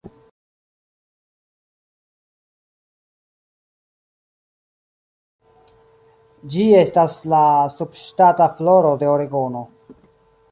Ĝi estas la subŝtata floro de Oregono.